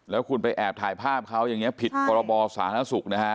แล้วคุณไปแอบถ่ายภาพเขาอย่างนี้ผิดพรบสาธารณสุขนะฮะ